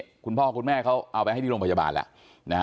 นี่คุณพ่อคุณแม่เค้าเอาไปให้ที่โรงพยาบาลแล้ว